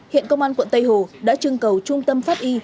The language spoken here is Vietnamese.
hiện công an quận tây hồ đã trưng cầu trung tâm pháp y